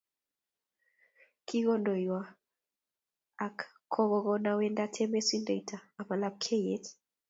Ki kondoiywo ak kogono awendotee mesundeito ama Lapkeiyet.